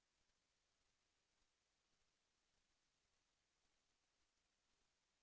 แสวได้ไงของเราก็เชียนนักอยู่ค่ะเป็นผู้ร่วมงานที่ดีมาก